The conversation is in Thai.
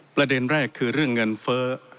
ประเด็นแรกคือเรื่องเงินเฟ้อ